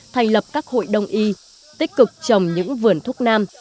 thành lập các hội đồng y tích cực trồng những vườn thuốc nam